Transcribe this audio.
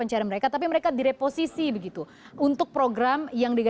saya komunikasi melagos di asia